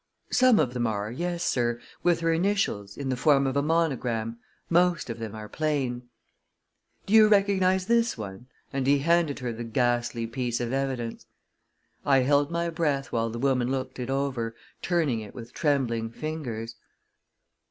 "Some of them are, yes, sir, with her initials, in the form of a monogram. Most of them are plain." "Do you recognize this one?" and he handed her the ghastly piece of evidence. I held my breath while the woman looked it over, turning it with trembling fingers.